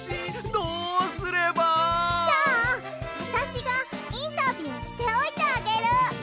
じゃああたしがインタビューしておいてあげる！